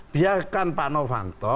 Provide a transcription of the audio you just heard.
biarkan pak novanto